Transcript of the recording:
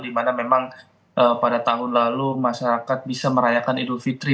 di mana memang pada tahun lalu masyarakat bisa merayakan idul fitri